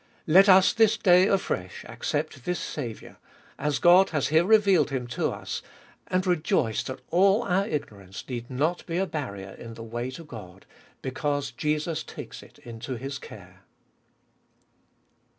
Let us this day afresh accept this Saviour, as God has here revealed Him to us, and rejoice that all our ignorance need not be a barrier in the way to God, because Jesus takes it into His care.